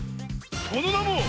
そのなも！